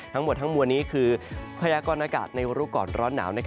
ทั้งหมดทั้งมวลนี้คือพยากรณากาศในรู้ก่อนร้อนหนาว